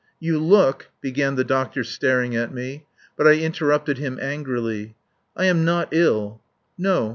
"You look " began the doctor staring at me. But I interrupted him angrily: "I am not ill." "No.